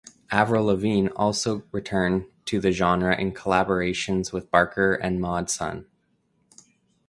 Avril Lavigne also returned to the genre in collaborations with Barker and Mod Sun.